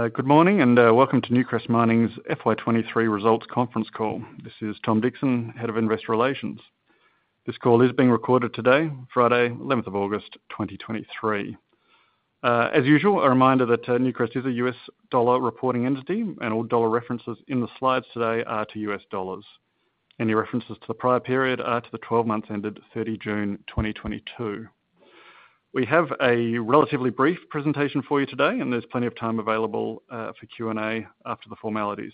Good morning, and welcome to Newcrest Mining's FY 2023 results conference call. This is Tom Dixon, Head of Investor Relations. This call is being recorded today, Friday, August 11th, 2023. As usual, a reminder that Newcrest is a U.S. dollar reporting entity, and all dollar references in the slides today are to U.S. dollars. Any references to the prior period are to the 12 months ended June 30th, 2022. We have a relatively brief presentation for you today, and there's plenty of time available for Q&A after the formalities.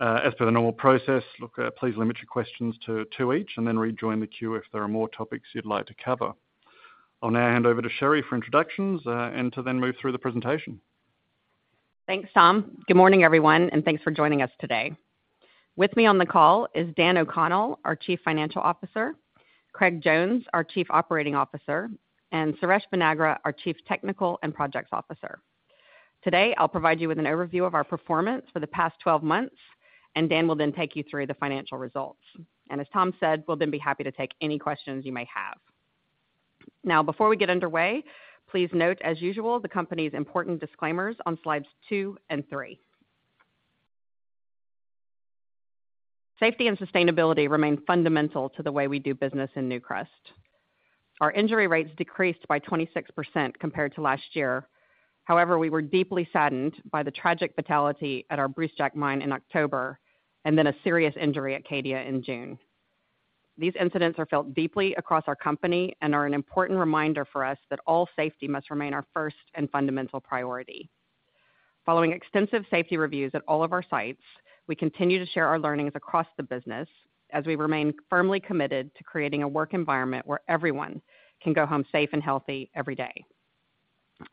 As per the normal process, please limit your questions to two each and then rejoin the queue if there are more topics you'd like to cover. I'll now hand over to Sherry for introductions and to then move through the presentation. Thanks, Tom. Good morning, everyone, and thanks for joining us today. With me on the call is Dan O'Connell, our Chief Financial Officer, Craig Jones, our Chief Operating Officer, and Suresh Vadnagra, our Chief Technical and Projects Officer. Today, I'll provide you with an overview of our performance for the past 12 months. Dan will then take you through the financial results. As Tom said, we'll then be happy to take any questions you may have. Now, before we get underway, please note, as usual, the company's important disclaimers on slides two and three. Safety and sustainability remain fundamental to the way we do business in Newcrest. Our injury rates decreased by 26% compared to last year. However, we were deeply saddened by the tragic fatality at our Brucejack mine in October, and then a serious injury at Cadia in June. These incidents are felt deeply across our company and are an important reminder for us that all safety must remain our first and fundamental priority. Following extensive safety reviews at all of our sites, we continue to share our learnings across the business as we remain firmly committed to creating a work environment where everyone can go home safe and healthy every day.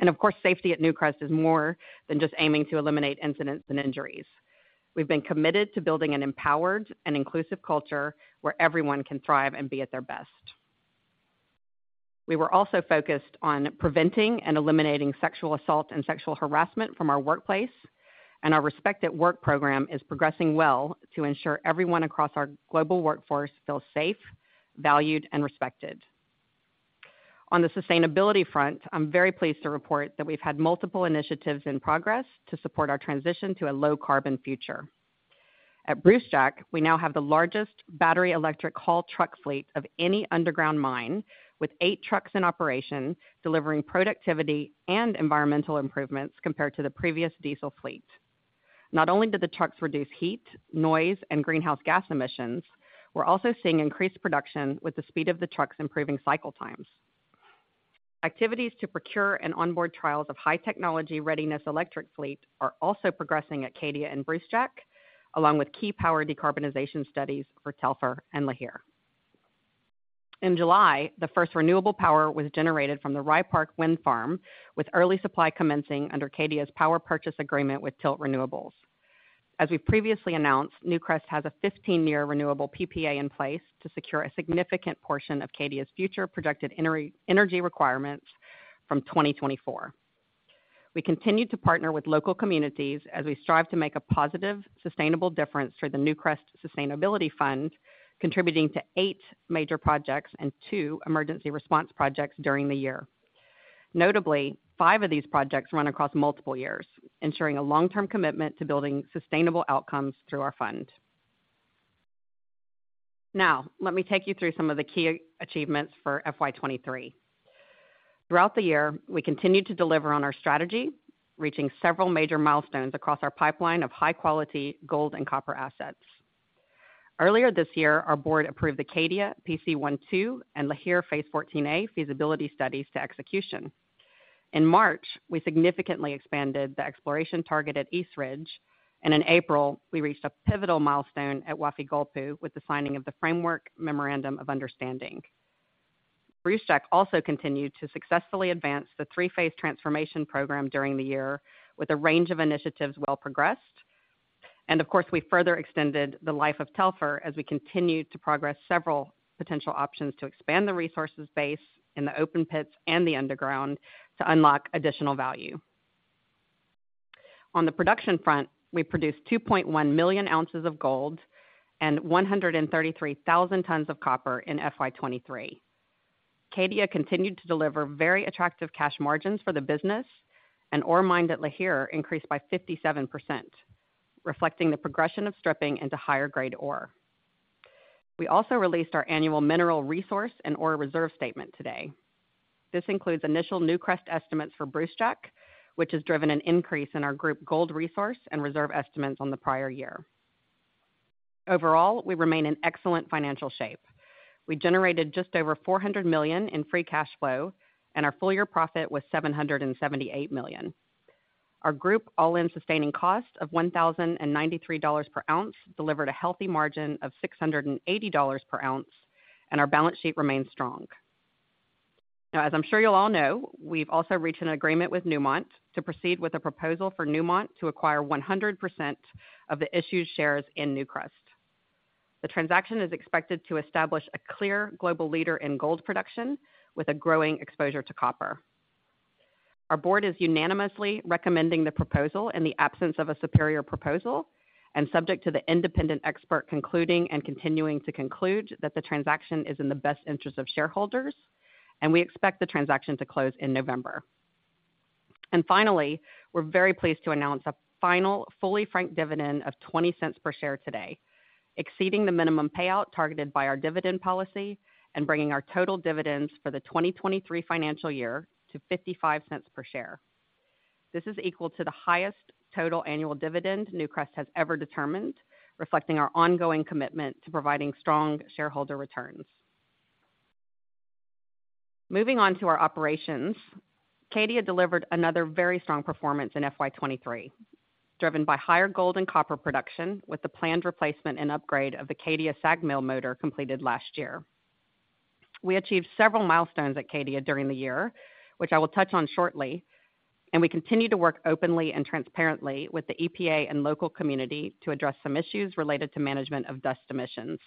Of course, safety at Newcrest is more than just aiming to eliminate incidents and injuries. We've been committed to building an empowered and inclusive culture where everyone can thrive and be at their best. We were also focused on preventing and eliminating sexual assault and sexual harassment from our workplace, and our Respect@Work program is progressing well to ensure everyone across our global workforce feels safe, valued, and respected. On the sustainability front, I'm very pleased to report that we've had multiple initiatives in progress to support our transition to a low carbon future. At Brucejack, we now have the largest battery electric haul truck fleet of any underground mine, with eight trucks in operation, delivering productivity and environmental improvements compared to the previous diesel fleet. Not only do the trucks reduce heat, noise, and greenhouse gas emissions, we're also seeing increased production with the speed of the trucks improving cycle times. Activities to procure and onboard trials of high technology readiness electric fleet are also progressing at Cadia and Brucejack, along with key power decarbonization studies for Telfer and Lihir. In July, the first renewable power was generated from the Rye Park Wind Farm, with early supply commencing under Cadia's power purchase agreement with Tilt Renewables. As we previously announced, Newcrest has a 15-year renewable PPA in place to secure a significant portion of Cadia's future projected energy requirements from 2024. We continued to partner with local communities as we strive to make a positive, sustainable difference through the Newcrest Sustainability Fund, contributing to eight major projects and two emergency response projects during the year. Notably, five of these projects run across multiple years, ensuring a long-term commitment to building sustainable outcomes through our fund. Let me take you through some of the key achievements for FY 2023. Throughout the year, we continued to deliver on our strategy, reaching several major milestones across our pipeline of high-quality gold and copper assets. Earlier this year, our board approved the Cadia PC1-2 and Lihir Phase 14A Feasibility Studies to execution. In March, we significantly expanded the exploration target at East Ridge, and in April, we reached a pivotal milestone at Wafi-Golpu with the signing of the Framework Memorandum of Understanding. Brucejack also continued to successfully advance the three-phase transformation program during the year with a range of initiatives well progressed. Of course, we further extended the life of Telfer as we continued to progress several potential options to expand the resources base in the open pits and the underground to unlock additional value. On the production front, we produced 2.1 million ounces of gold and 133,000 tons of copper in FY 2023. Cadia continued to deliver very attractive cash margins for the business, and ore mined at Lihir increased by 57%, reflecting the progression of stripping into higher-grade ore. We also released our annual mineral resource and ore reserve statement today. This includes initial Newcrest estimates for Brucejack, which has driven an increase in our group gold resource and reserve estimates on the prior year. Overall, we remain in excellent financial shape. We generated just over $400 million in free cash flow, and our full-year profit was $778 million. Our group all-in sustaining cost of $1,093 per ounce, delivered a healthy margin of $680 per ounce, and our balance sheet remains strong. Now, as I'm sure you all know, we've also reached an agreement with Newmont to proceed with a proposal for Newmont to acquire 100% of the issued shares in Newcrest. The transaction is expected to establish a clear global leader in gold production with a growing exposure to copper. Our board is unanimously recommending the proposal in the absence of a superior proposal.... Subject to the independent expert concluding and continuing to conclude that the transaction is in the best interest of shareholders, we expect the transaction to close in November. Finally, we're very pleased to announce a final, fully franked dividend of $0.20 per share today, exceeding the minimum payout targeted by our dividend policy and bringing our total dividends for the 2023 financial year to $0.55 per share. This is equal to the highest total annual dividend Newcrest has ever determined, reflecting our ongoing commitment to providing strong shareholder returns. Moving on to our operations, Cadia delivered another very strong performance in FY 2023, driven by higher gold and copper production, with the planned replacement and upgrade of the Cadia SAG mill motor completed last year. We achieved several milestones at Cadia during the year, which I will touch on shortly, and we continue to work openly and transparently with the EPA and local community to address some issues related to management of dust emissions.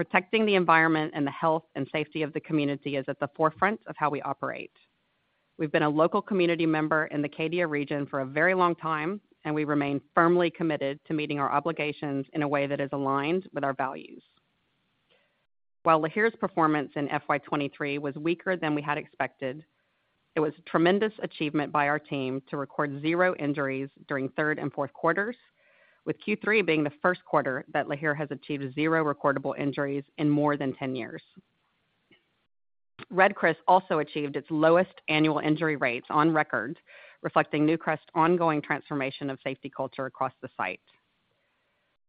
Protecting the environment and the health and safety of the community is at the forefront of how we operate. We've been a local community member in the Cadia region for a very long time, and we remain firmly committed to meeting our obligations in a way that is aligned with our values. While Lihir's performance in FY 2023 was weaker than we had expected, it was a tremendous achievement by our team to record zero injuries during third and fourth quarters, with Q3 being the first quarter that Lihir has achieved zero recordable injuries in more than 10 years. Red Chris also achieved its lowest annual injury rates on record, reflecting Newcrest's ongoing transformation of safety culture across the site.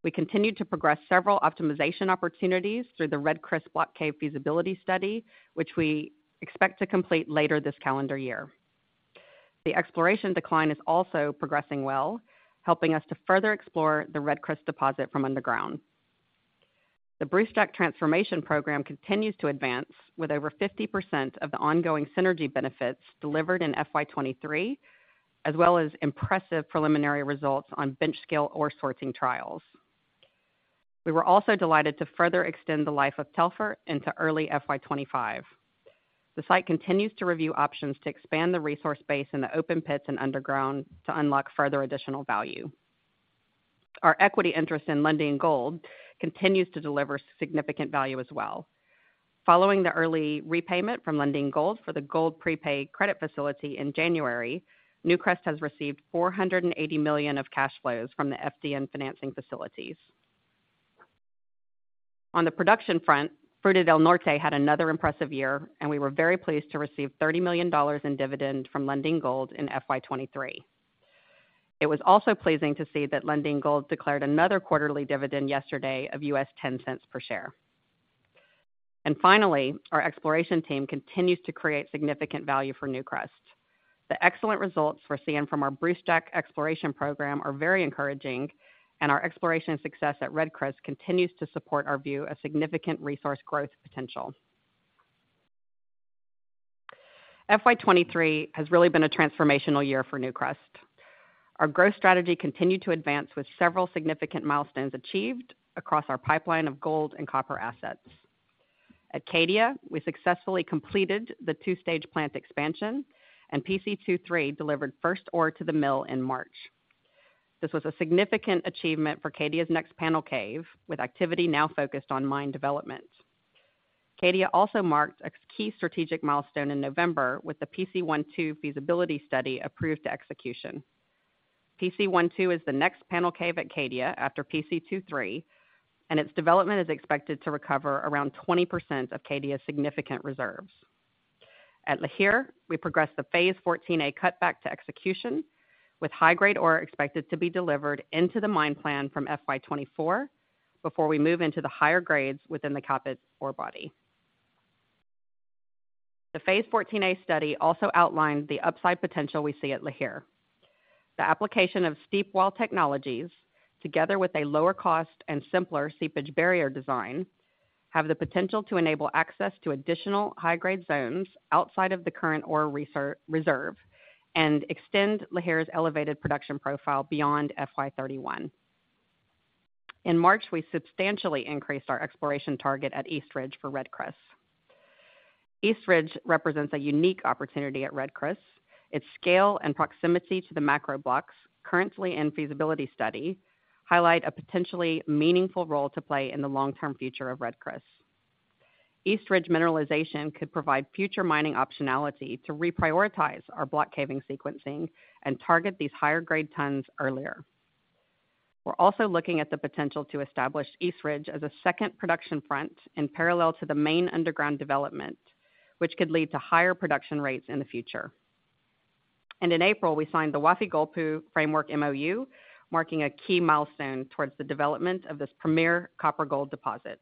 We continued to progress several optimization opportunities through the Red Chris Block Cave Feasibility Study, which we expect to complete later this calendar year. The exploration decline is also progressing well, helping us to further explore the Red Chris deposit from underground. The Brucejack transformation program continues to advance, with over 50% of the ongoing synergy benefits delivered in FY 2023, as well as impressive preliminary results on bench scale ore sorting trials. We were also delighted to further extend the life of Telfer into early FY 2025. The site continues to review options to expand the resource base in the open pits and underground to unlock further additional value. Our equity interest in Lundin Gold continues to deliver significant value as well. Following the early repayment from Lundin Gold for the gold prepaid credit facility in January, Newcrest has received $480 million of cash flows from the FDN financing facilities. On the production front, Fruta del Norte had another impressive year, we were very pleased to receive $30 million in dividend from Lundin Gold in FY 2023. It was also pleasing to see that Lundin Gold declared another quarterly dividend yesterday of $0.10 per share. Finally, our exploration team continues to create significant value for Newcrest. The excellent results we're seeing from our Brucejack exploration program are very encouraging, our exploration success at Red Chris continues to support our view of significant resource growth potential. FY 2023 has really been a transformational year for Newcrest. Our growth strategy continued to advance, with several significant milestones achieved across our pipeline of gold and copper assets. At Cadia, we successfully completed the two-stage plant expansion, and PC2-3 delivered first ore to the mill in March. This was a significant achievement for Cadia's next panel cave, with activity now focused on mine development. Cadia also marked a key strategic milestone in November, with the PC1-2 feasibility study approved to execution. PC1-2 is the next panel cave at Cadia after PC2-3, and its development is expected to recover around 20% of Cadia's significant reserves. At Lihir, we progressed the Phase 14A cutback to execution, with high-grade ore expected to be delivered into the mine plan from FY 2024 before we move into the higher grades within the Kapit orebody. The Phase 14A study also outlined the upside potential we see at Lihir. The application of steep wall technologies, together with a lower cost and simpler seepage barrier design, have the potential to enable access to additional high-grade zones outside of the current ore reserve and extend Lihir's elevated production profile beyond FY 2031. In March, we substantially increased our exploration target at East Ridge for Red Chris. East Ridge represents a unique opportunity at Red Chris. Its scale and proximity to the macro blocks currently in feasibility study, highlight a potentially meaningful role to play in the long-term future of Red Chris. East Ridge mineralization could provide future mining optionality to reprioritize our block caving sequencing and target these higher grade tons earlier. We're also looking at the potential to establish East Ridge as a second production front in parallel to the main underground development, which could lead to higher production rates in the future. In April, we signed the Wafi-Golpu Framework MOU, marking a key milestone towards the development of this premier copper-gold deposit.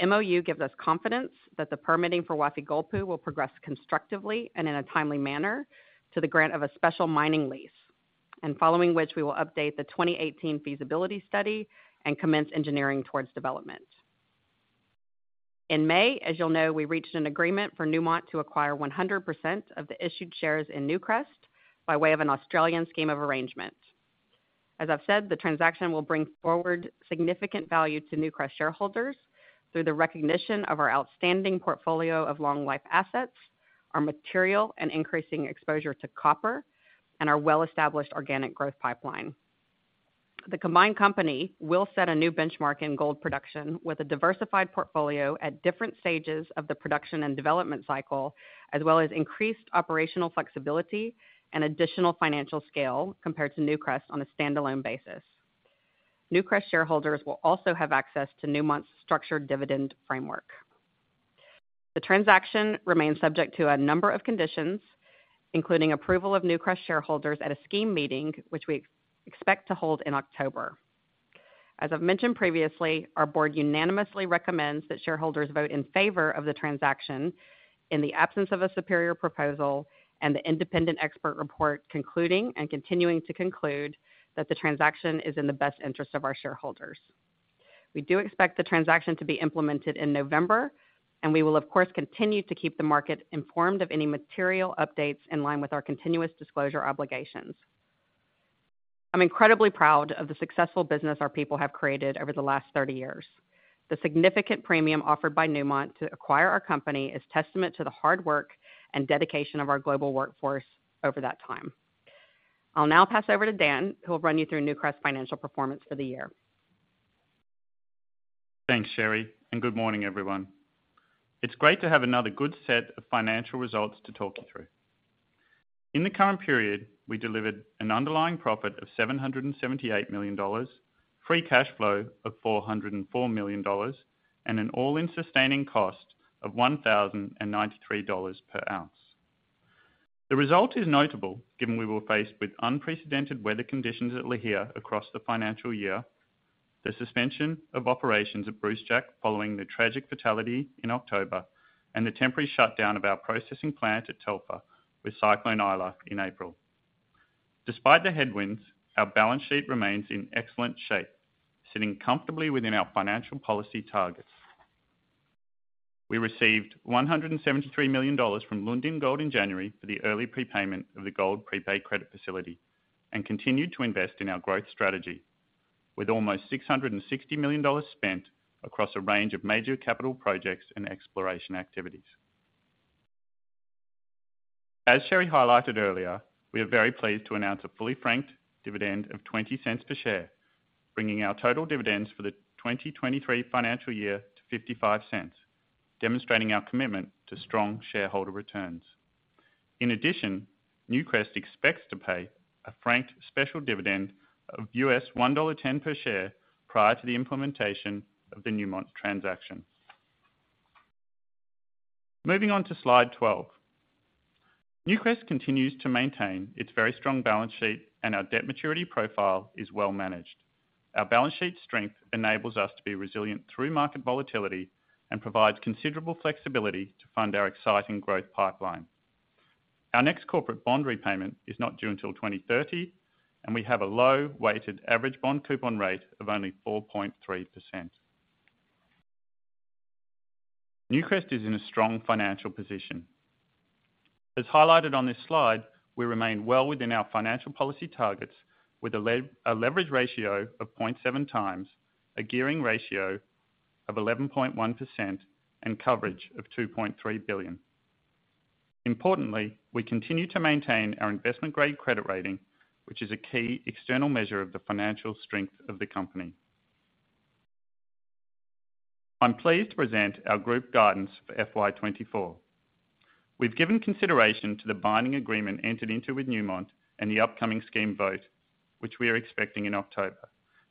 The MOU gives us confidence that the permitting for Wafi-Golpu will progress constructively and in a timely manner to the grant of a special mining lease, and following which, we will update the 2018 feasibility study and commence engineering towards development. In May, as you'll know, we reached an agreement for Newmont to acquire 100% of the issued shares in Newcrest by way of an Australian scheme of arrangement. As I've said, the transaction will bring forward significant value to Newcrest shareholders through the recognition of our outstanding portfolio of long-life assets,... our material and increasing exposure to copper and our well-established organic growth pipeline. The combined company will set a new benchmark in gold production, with a diversified portfolio at different stages of the production and development cycle, as well as increased operational flexibility and additional financial scale compared to Newcrest on a standalone basis. Newcrest shareholders will also have access to Newmont's structured dividend framework. The transaction remains subject to a number of conditions, including approval of Newcrest shareholders at a scheme meeting, which we expect to hold in October. As I've mentioned previously, our board unanimously recommends that shareholders vote in favor of the transaction in the absence of a superior proposal, and the independent expert report concluding and continuing to conclude that the transaction is in the best interest of our shareholders. We do expect the transaction to be implemented in November, and we will, of course, continue to keep the market informed of any material updates in line with our continuous disclosure obligations. I'm incredibly proud of the successful business our people have created over the last 30 years. The significant premium offered by Newmont to acquire our company is testament to the hard work and dedication of our global workforce over that time. I'll now pass over to Dan, who will run you through Newcrest's financial performance for the year. Thanks, Sherry, and good morning, everyone. It's great to have another good set of financial results to talk you through. In the current period, we delivered an underlying profit of $778 million, free cash flow of $404 million, and an all-in sustaining cost of $1,093 per ounce. The result is notable, given we were faced with unprecedented weather conditions at Lihir across the financial year, the suspension of operations at Brucejack following the tragic fatality in October, and the temporary shutdown of our processing plant at Telfer with Cyclone Ilsa in April. Despite the headwinds, our balance sheet remains in excellent shape, sitting comfortably within our financial policy targets. We received $173 million from Lundin Gold in January for the early prepayment of the gold prepaid credit facility, and continued to invest in our growth strategy, with almost $660 million spent across a range of major capital projects and exploration activities. As Sherry highlighted earlier, we are very pleased to announce a fully franked dividend of $.20 per share, bringing our total dividends for the 2023 financial year to $0.55, demonstrating our commitment to strong shareholder returns. In addition, Newcrest expects to pay a franked special dividend of $1.10 per share prior to the implementation of the Newmont transaction. Moving on to slide 12. Newcrest continues to maintain its very strong balance sheet, and our debt maturity profile is well managed. Our balance sheet strength enables us to be resilient through market volatility and provides considerable flexibility to fund our exciting growth pipeline. Our next corporate bond repayment is not due until 2030. We have a low weighted average bond coupon rate of only 4.3%. Newcrest is in a strong financial position. As highlighted on this slide, we remain well within our financial policy targets, with a leverage ratio of 0.7x, a gearing ratio of 11.1%, and coverage of $2.3 billion. Importantly, we continue to maintain our investment-grade credit rating, which is a key external measure of the financial strength of the company. I'm pleased to present our group guidance for FY 2024. We've given consideration to the binding agreement entered into with Newmont and the upcoming scheme vote, which we are expecting in October,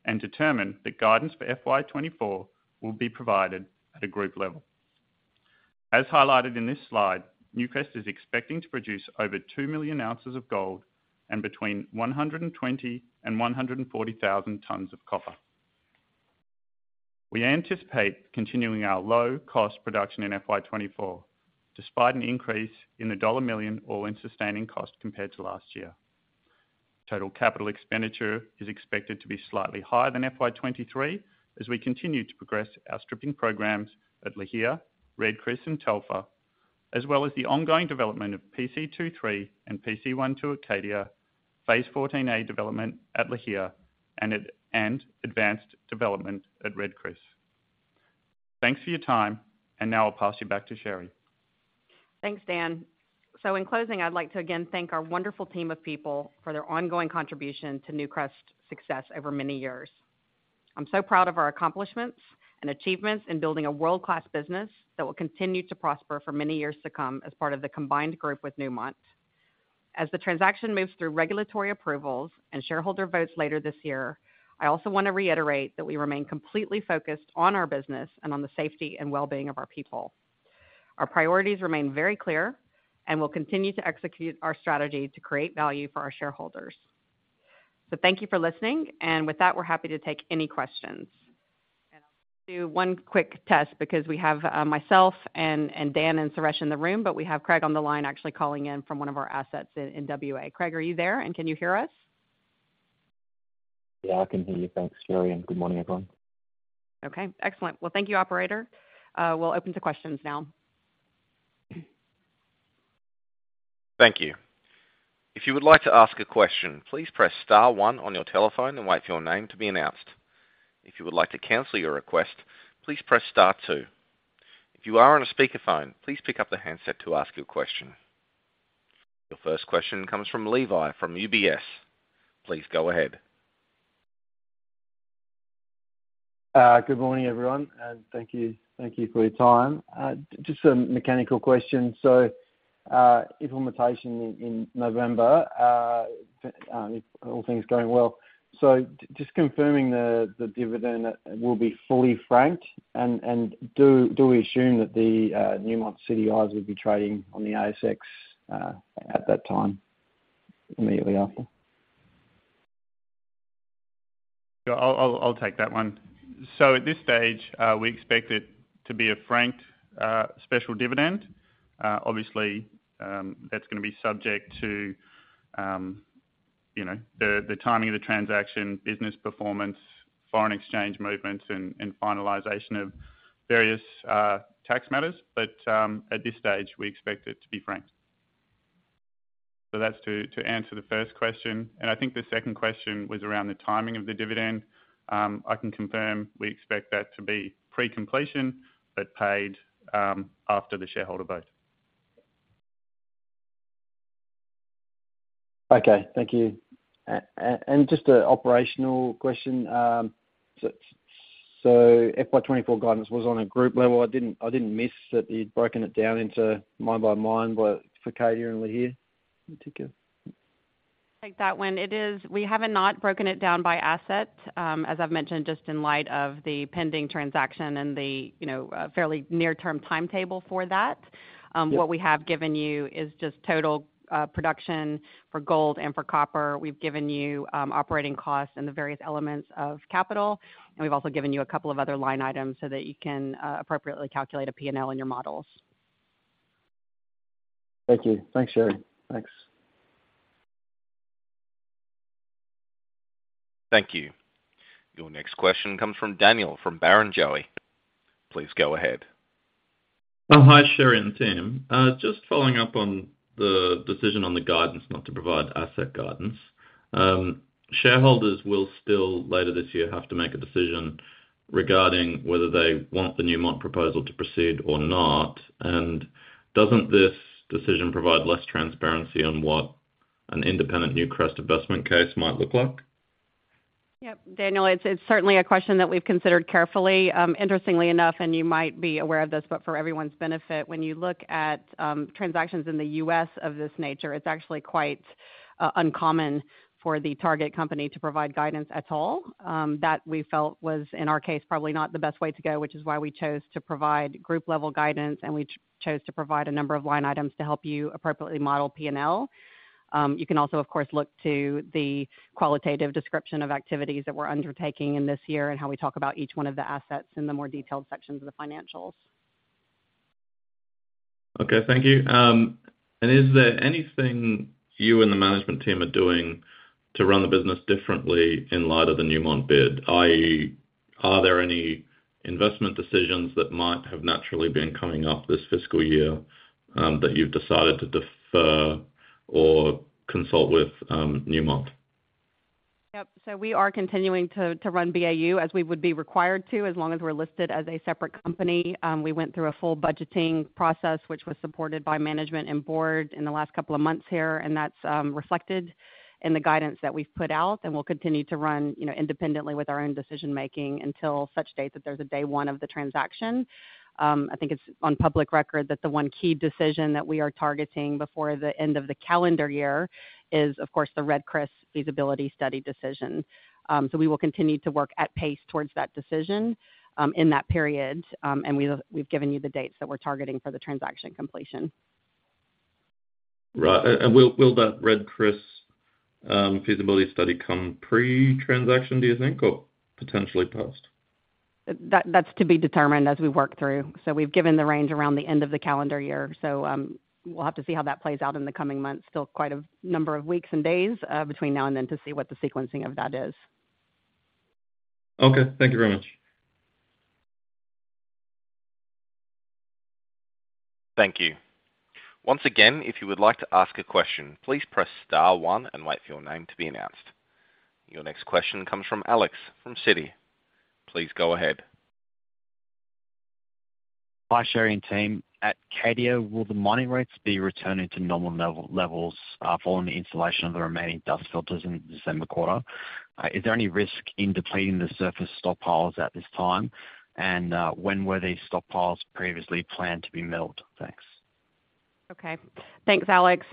and determined that guidance for FY 2024 will be provided at a group level. As highlighted in this slide, Newcrest is expecting to produce over 2 million oz of gold and between 120,000 and 140,000 tons of copper. We anticipate continuing our low-cost production in FY 2024, despite an increase in $1 million or in sustaining cost compared to last year. Total CapEx is expected to be slightly higher than FY 2023, as we continue to progress our stripping programs at Lihir, Red Chris, and Telfer, as well as the ongoing development of PC2-3 and PC1-2 Cadia, Phase 14A development at Lihir, and advanced development at Red Chris. Thanks for your time. Now I'll pass you back to Sherry. Thanks, Dan. In closing, I'd like to again thank our wonderful team of people for their ongoing contribution to Newcrest's success over many years. I'm so proud of our accomplishments and achievements in building a world-class business that will continue to prosper for many years to come as part of the combined group with Newmont. As the transaction moves through regulatory approvals and shareholder votes later this year, I also want to reiterate that we remain completely focused on our business and on the safety and well-being of our people. Our priorities remain very clear, and we'll continue to execute our strategy to create value for our shareholders. Thank you for listening, and with that, we're happy to take any questions. I'll do one quick test because we have myself and Dan and Suresh in the room, but we have Craig on the line, actually calling in from one of our assets in WA. Craig, are you there, and can you hear us? Yeah, I can hear you. Thanks, Sherry. Good morning, everyone. Okay, excellent. Well, thank you, operator. We'll open to questions now. Thank you. If you would like to ask a question, please press star one on your telephone and wait for your name to be announced. If you would like to cancel your request, please press star two. If you are on a speakerphone, please pick up the handset to ask your question. Your first question comes from Levi, from UBS. Please go ahead. Good morning, everyone, and thank you, thank you for your time. Just some mechanical questions. Implementation in November, if all things are going well. Just confirming the dividend will be fully franked, and do we assume that the Newmont CDI will be trading on the ASX at that time, immediately after? Yeah, I'll, I'll, I'll take that one. At this stage, we expect it to be a franked special dividend. Obviously, that's gonna be subject to, you know, the timing of the transaction, business performance, foreign exchange movements, and finalization of various tax matters. At this stage, we expect it to be franked. That's to answer the first question, and I think the second question was around the timing of the dividend. I can confirm we expect that to be pre-completion, but paid after the shareholder vote. Okay, thank you. just a operational question. FY 2024 guidance was on a group level. I didn't, I didn't miss that you'd broken it down into mine by mine, but for Cadia and Lihir in particular? I'll take that one. It is, we have not broken it down by asset, as I've mentioned, just in light of the pending transaction and the, you know, fairly near-term timetable for that. Yeah. What we have given you is just total production for gold and for copper. We've given you operating costs and the various elements of capital. We've also given you a couple of other line items so that you can appropriately calculate a P&L in your models. Thank you. Thanks, Sherry. Thanks. Thank you. Your next question comes from Daniel, from Barrenjoey. Please go ahead. Hi, Sherry and team. Just following up on the decision on the guidance, not to provide asset guidance. Shareholders will still, later this year, have to make a decision regarding whether they want the Newmont proposal to proceed or not. Doesn't this decision provide less transparency on what an independent Newcrest investment case might look like? Yep. Daniel, it's, it's certainly a question that we've considered carefully. Interestingly enough, and you might be aware of this, but for everyone's benefit, when you look at transactions in the U.S. of this nature, it's actually quite uncommon for the target company to provide guidance at all. That we felt was, in our case, probably not the best way to go, which is why we chose to provide group-level guidance, and we chose to provide a number of line items to help you appropriately model P&L. You can also, of course, look to the qualitative description of activities that we're undertaking in this year and how we talk about each one of the assets in the more detailed sections of the financials. Okay, thank you. Is there anything you and the management team are doing to run the business differently in light of the Newmont bid, i.e., are there any investment decisions that might have naturally been coming up this fiscal year, that you've decided to defer or consult with, Newmont? Yep. We are continuing to, to run BAU as we would be required to, as long as we're listed as a separate company. We went through a full budgeting process, which was supported by management and board in the last couple of months here, and that's reflected in the guidance that we've put out. We'll continue to run, you know, independently with our own decision-making until such date that there's a day one of the transaction. I think it's on public record that the one key decision that we are targeting before the end of the calendar year is, of course, the Red Chris Feasibility Study decision. We will continue to work at pace towards that decision, in that period. We've, we've given you the dates that we're targeting for the transaction completion. Right. Will that Red Chris Feasibility Study come pre-transaction, do you think, or potentially post? That, that's to be determined as we work through. We've given the range around the end of the calendar year, so, we'll have to see how that plays out in the coming months. Still quite a number of weeks and days between now and then to see what the sequencing of that is. Okay. Thank you very much. Thank you. Once again, if you would like to ask a question, please press star one and wait for your name to be announced. Your next question comes from Alex, from Citi. Please go ahead. Hi, Sherry and team. At Cadia, will the mining rates be returning to normal levels following the installation of the remaining dust filters in the December quarter? Is there any risk in depleting the surface stockpiles at this time? When were these stockpiles previously planned to be milled? Thanks. Okay. Thanks, Alex.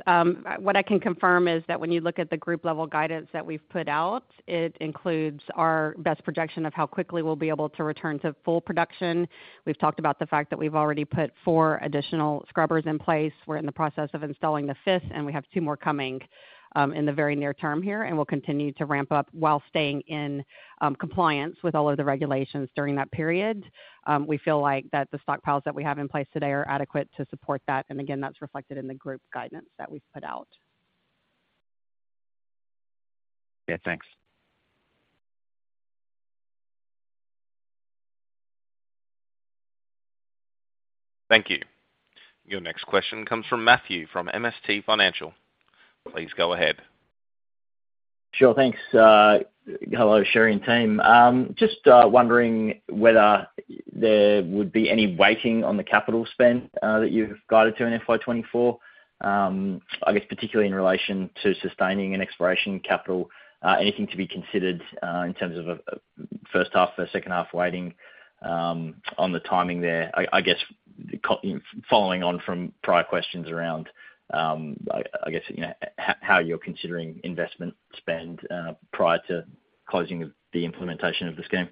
What I can confirm is that when you look at the group-level guidance that we've put out, it includes our best projection of how quickly we'll be able to return to full production. We've talked about the fact that we've already put four additional scrubbers in place. We're in the process of installing the fifth, and we have two more coming in the very near term here, and we'll continue to ramp up while staying in compliance with all of the regulations during that period. We feel like that the stockpiles that we have in place today are adequate to support that, and again, that's reflected in the group guidance that we've put out. Yeah, thanks. Thank you. Your next question comes from Matthew, from MST Financial. Please go ahead. Sure. Thanks. Hello, Sherry and team. Just wondering whether there would be any weighting on the capital spend that you've guided to in FY 2024. I guess, particularly in relation to sustaining and exploration capital, anything to be considered in terms of first half versus second half weighting on the timing there? I guess, following on from prior questions around, I guess, you know, how you're considering investment spend prior to closing of the implementation of the scheme.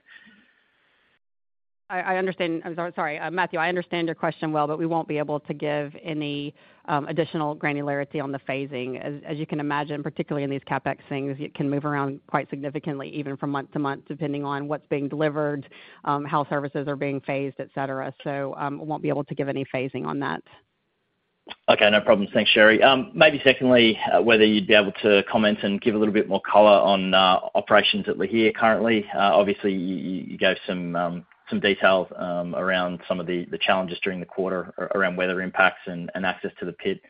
I understand. I'm sorry, Matthew, I understand your question well. We won't be able to give any additional granularity on the phasing. As you can imagine, particularly in these CapEx things, it can move around quite significantly, even from month to month, depending on what's being delivered, how services are being phased, et cetera. Won't be able to give any phasing on that. Okay, no problems. Thanks, Sherry. Maybe secondly, whether you'd be able to comment and give a little bit more color on operations at Lihir currently? Obviously, you gave some details around some of the challenges during the quarter around weather impacts and access to the pit.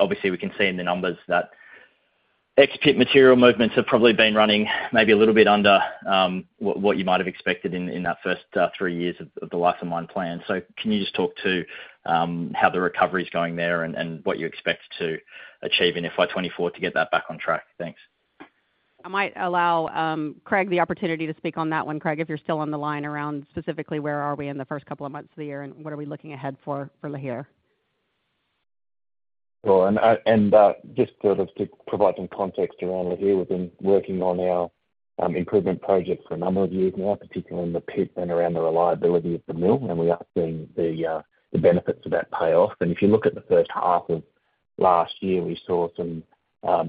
Obviously, we can see in the numbers that ex-pit material movements have probably been running maybe a little bit under what you might have expected in that first, three years of the life of mine plan. Can you just talk to how the recovery is going there and what you expect to achieve in FY 2024 to get that back on track? Thanks. I might allow, Craig the opportunity to speak on that one. Craig, if you're still on the line, around specifically, where are we in the first couple of months of the year, and what are we looking ahead for for Lihir? Well, just sort of to provide some context around Lihir, we've been working on our improvement project for a number of years now, particularly in the pit and around the reliability of the mill, and we are seeing the benefits of that pay off. If you look at the first half of last year, we saw some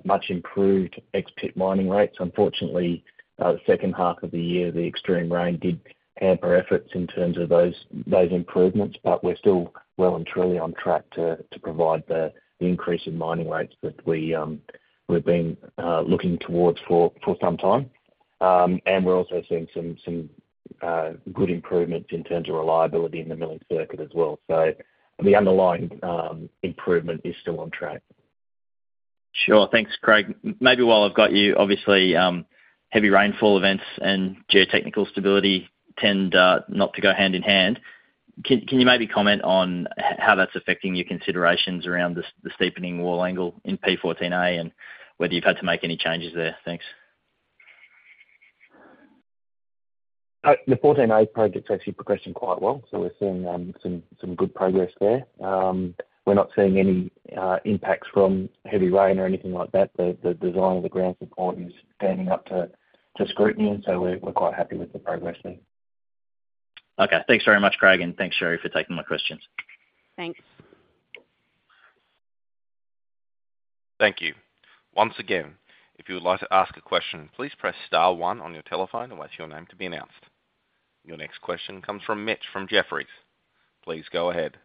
much improved ex-pit mining rates. Unfortunately, the second half of the year, the extreme rain did hamper efforts in terms of those, those improvements, but we're still well and truly on track to provide the increase in mining rates that we've been looking towards for some time. We're also seeing some good improvements in terms of reliability in the milling circuit as well. The underlying improvement is still on track. Sure. Thanks, Craig. Maybe while I've got you, obviously, heavy rainfall events and geotechnical stability tend not to go hand in hand. Can you maybe comment on how that's affecting your considerations around the steepening wall angle in P14A, and whether you've had to make any changes there? Thanks. The Phase 14A Project is actually progressing quite well, so we're seeing, some, some good progress there. We're not seeing any impacts from heavy rain or anything like that. The, the design of the ground support is standing up to, to scrutiny, so we're, we're quite happy with the progress there. Okay. Thanks very much, Craig. Thanks, Sherry, for taking my questions. Thanks. Thank you. Once again, if you would like to ask a question, please press star one on your telephone and wait for your name to be announced. Your next question comes from Mitch, from Jefferies. Please go ahead.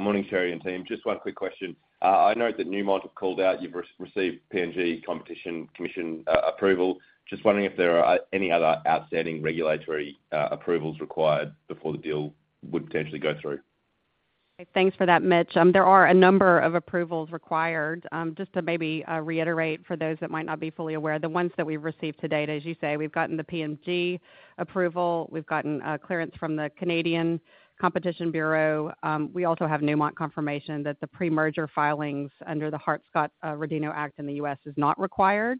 Morning, Sherry and team. Just one quick question. I know that Newmont have called out, you've received PNG Competition Commission approval. Just wondering if there are any other outstanding regulatory approvals required before the deal would potentially go through? Thanks for that, Mitch. There are a number of approvals required. Just to maybe reiterate, for those that might not be fully aware, the ones that we've received to date, as you say, we've gotten the PNG approval. We've gotten clearance from the Competition Bureau Canada. We also have Newmont confirmation that the pre-merger filings under the Hart–Scott–Rodino Act in the U.S. is not required.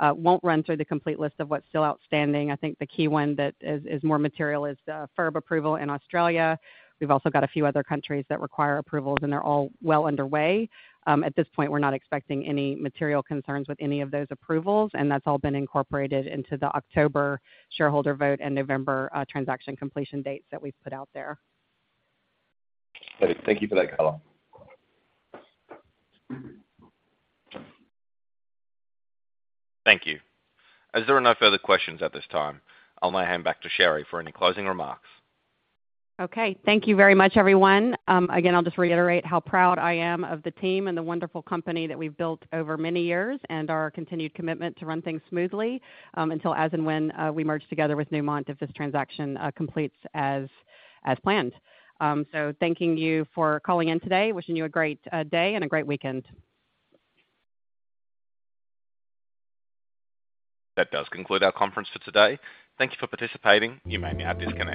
Won't run through the complete list of what's still outstanding. I think the key one that is, is more material is the FIRB approval in Australia. We've also got a few other countries that require approvals, and they're all well underway. At this point, we're not expecting any material concerns with any of those approvals. That's all been incorporated into the October shareholder vote and November transaction completion dates that we've put out there. Great. Thank you for that color. Thank you. As there are no further questions at this time, I'll hand back to Sherry for any closing remarks. Okay. Thank you very much, everyone. Again, I'll just reiterate how proud I am of the team and the wonderful company that we've built over many years, and our continued commitment to run things smoothly, until as and when, we merge together with Newmont, if this transaction, completes as, as planned. Thanking you for calling in today. Wishing you a great day and a great weekend. That does conclude our conference for today. Thank You for participating. You may now disconnect.